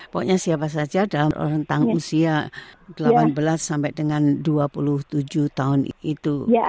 pokoknya siapa saja dalam rentang usia delapan belas sampai dengan dua puluh tujuh tahun itu